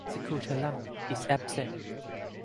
Scutellum is absent.